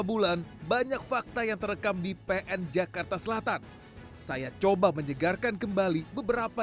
bulan banyak fakta yang terekam di pn jakarta selatan saya coba menyegarkan kembali beberapa